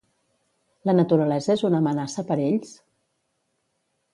La naturalesa és una amenaça per ells?